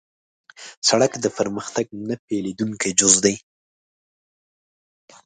سړک د پرمختګ نه بېلېدونکی جز دی.